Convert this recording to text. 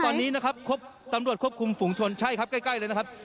ตอนนี้นะครับครบตำรวจควบคุมฝุงชนใช่ครับใกล้เลยนะครับ